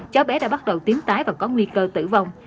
cháu bé đã bắt đầu tiến tái và có nguy cơ tử vong